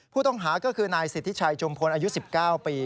ผู้ต้องหาก็คือนายสิทธิชัยจุมพลอายุ๑๙ปี